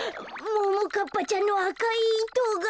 ももかっぱちゃんのあかいいとが。